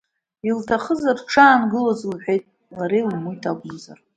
Илҭахызар дшаангылоз леиҳәеит, лара илымуит акәымзар.